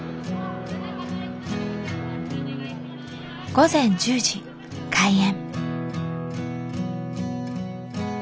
午前１０時開園。